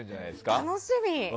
楽しみ！